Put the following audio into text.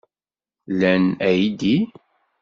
Lan aydi?